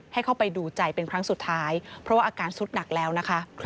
ให้เข้าไปดูใจเป็นครั้งสุดท้ายเพราะว่าอาการสุดหนักแล้วนะคะ